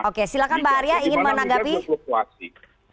oke silahkan pak arya ingin menanggapi